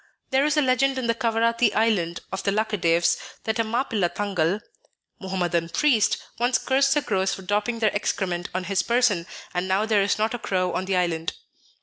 There is a legend in the Kavarathi Island of the Laccadives, that a Mappilla tangal (Muhammadan priest) once cursed the crows for dropping their excrement on his person, and now there is not a crow on the island.